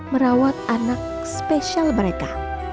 merawat anak spesial mereka